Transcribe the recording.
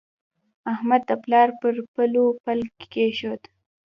احمد د پلار پر پلو پل کېښود.